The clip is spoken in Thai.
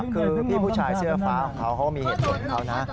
คือพี่ผู้ชายเสื้อฟ้าของเขาเขาก็มีเหตุผลของเขานะ